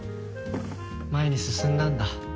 前に進んだんだ。